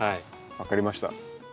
分かりました。